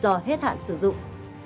do hết hạn sử dụng